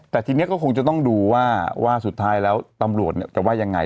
แต่ทีนี้ก็คงจะต้องดูว่าสุดท้ายแล้วตำรวจจะว่ายังไง